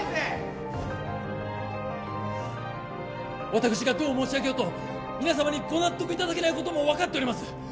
私がどう申し上げようと皆様にご納得いただけないことも分かっております